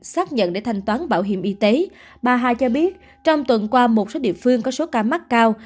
xác nhận để thanh toán bảo hiểm y tế bà hai cho biết trong tuần qua một số địa phương có số ca mắc cao